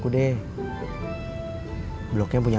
yang pertama itu pergi tamu ya